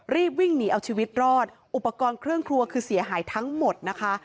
รีบวิ่งหนีเอาชีวิตรอดอุปกรณ์เครื่องครัวคือเสียหายทั้งหมดนะคะ